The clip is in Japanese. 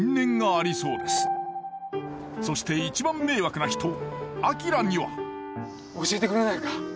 そして一番迷惑な人明には教えてくれないか？